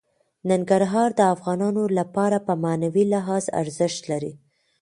ننګرهار د افغانانو لپاره په معنوي لحاظ ارزښت لري.